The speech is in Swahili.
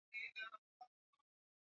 Ongeza chumvi kenye viazi lishe